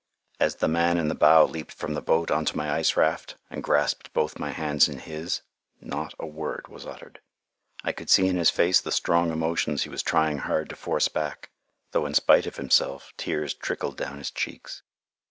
As the man in the bow leaped from the boat on to my ice raft and grasped both my hands in his, not a word was uttered. I could see in his face the strong emotions he was trying hard to force back, though in spite of himself tears trickled down his cheeks.